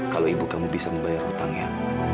kalau ibu kamu bisa membayar hutangnya